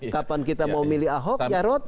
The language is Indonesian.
kapan kita mau milih ahok jarot